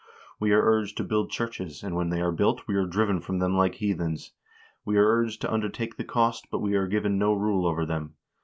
We are urged to build churches, and when they are built, we are driven from them like heathens. We are urged to undertake the cost, but are given no rule over them.